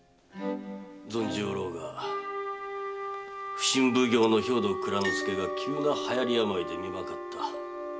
存じおろうが普請奉行の兵藤内蔵介が急な流行り病でみまかった。